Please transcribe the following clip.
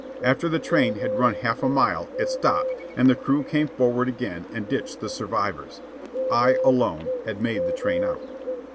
After the train had run half a mile, it stopped, and the crew came forward again and ditched the survivors. I, alone, had made the train out.